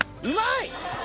うまい！